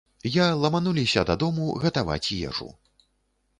Я ламануліся дадому гатаваць ежу.